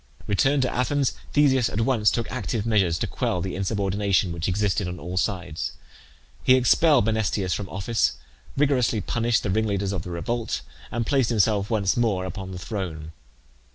Returned to Athens, Theseus at once took active measures to quell the insubordination which existed on all sides. He expelled Menesthius from office, rigorously punished the ringleaders of the revolt, and placed himself once more upon the throne.